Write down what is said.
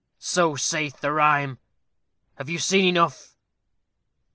So saith the rhyme. Have you seen enough?"